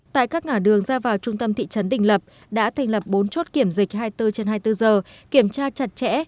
tại các ngã đường ra vào trung tâm thị trấn đình lập đã thành lập bốn chốt kiểm dịch hai mươi bốn trên hai mươi bốn giờ kiểm tra chặt chẽ